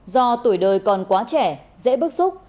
do tuổi đời còn quá trẻ dễ bức xúc